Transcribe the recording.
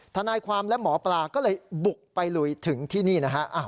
ทนายความและหมอปลาก็เลยบุกไปลุยถึงที่นี่นะฮะ